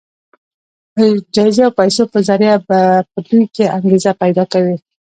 د جايزې او پيسو په ذريعه په دوی کې انګېزه پيدا کوي.